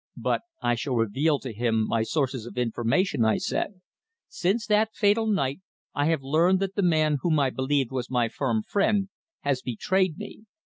"But I shall reveal to him my sources of information," I said. "Since that fatal night I have learned that the man whom I believed was my firm friend has betrayed me.